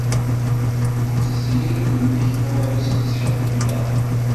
Ur ttezzi ara udem-ik, mi ara k-ttḥellileɣ.